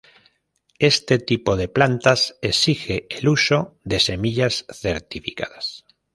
Este tipo de plantas exige el uso de semillas certificadas.